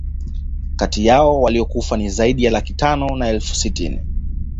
Kati yao waliokufa ni zaidi ya laki tano na elfu sitini